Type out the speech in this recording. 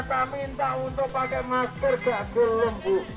kami tak untuk pakai masker gak boleh bu